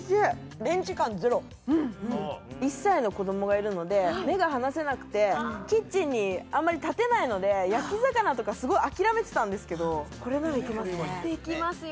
１歳の子どもがいるので目が離せなくてキッチンにあまり立てないので焼き魚とかすごい諦めてたんですけどこれならいけますねできますよ